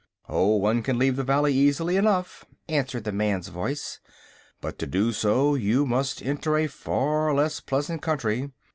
"Oh, one can leave the Valley easily enough," answered the man's voice; "but to do so you must enter a far less pleasant country.